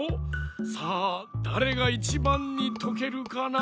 さあだれが１ばんにとけるかな？